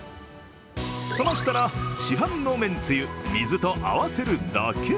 冷ましたら市販のめんつゆ、水と合わせるだけ。